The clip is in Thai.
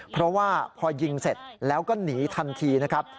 เพราะว่าพอยิงเสร็จแล้วก็หนีทันทีนะครับ